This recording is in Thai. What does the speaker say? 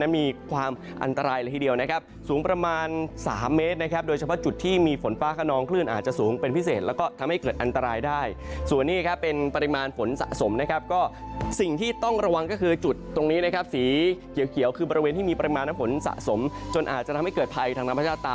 มีความอันตรายเลยทีเดียวนะครับสูงประมาณ๓เมตรนะครับโดยเฉพาะจุดที่มีฝนฟ้าขนองคลื่นอาจจะสูงเป็นพิเศษแล้วก็ทำให้เกิดอันตรายได้ส่วนนี้ครับเป็นปริมาณฝนสะสมนะครับก็สิ่งที่ต้องระวังก็คือจุดตรงนี้นะครับสีเขียวคือบริเวณที่มีปริมาณน้ำฝนสะสมจนอาจจะทำให้เกิดภัยทางธรรมชาติ